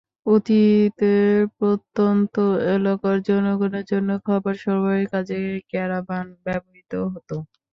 অতীতে প্রত্যন্ত এলাকার জনগণের জন্য খাবার সরবরাহের কাজে ক্যারাভান ব্যবহৃত হতো।